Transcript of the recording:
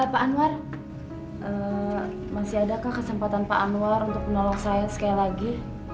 pak anwar masih adakah kesempatan pak anwar untuk menolong saya sekali lagi